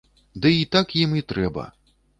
Ды і так ім і трэба.